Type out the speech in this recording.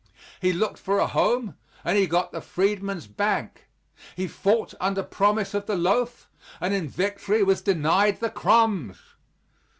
He looked for a home, and he got the Freedman's Bank. He fought under promise of the loaf, and in victory was denied the crumbs.